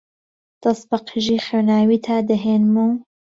دەست بە قژی خوێناویتا دەهێنم و